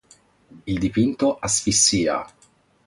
Il dipinto Asfissia!